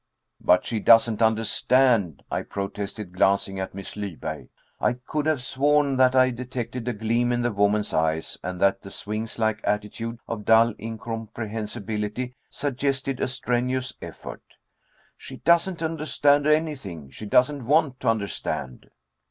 "But she doesn't understand," I protested, glancing at Miss Lyberg. I could have sworn that I detected a gleam in the woman's eyes and that the sphinx like attitude of dull incomprehensibility suggested a strenuous effort. "She doesn't understand anything. She doesn't want to understand."